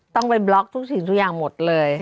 ต้องไปบล็อกทุกสิ่งทุกอย่างหมดเลย